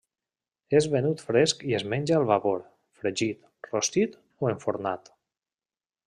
És venut fresc i es menja al vapor, fregit, rostit o enfornat.